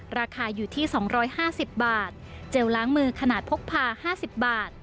ราคาอยู่ที่๒๕๐บาทเจลล้างมือขนาดพกพา๕๐บาท